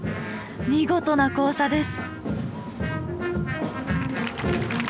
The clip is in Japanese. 見事な交差です。